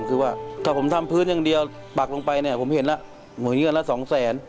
คือว่าถ้าผมทำพื้นอย่างเดียวปักลงไปเนี่ยผมเห็นแล้วเหมือนเงินละสองแสน